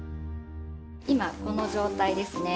今この状態ですね。